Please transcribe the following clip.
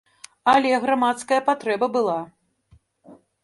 Але грамадская патрэба была!